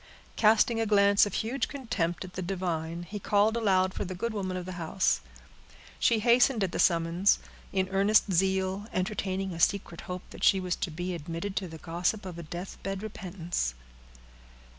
Casting a glance of huge contempt at the divine, he called aloud for the good woman of the house. She hastened at the summons, with earnest zeal, entertaining a secret hope that she was to be admitted to the gossip of a death bed repentance.